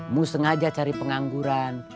mus sengaja cari pengangguran